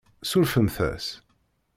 Surfemt-as.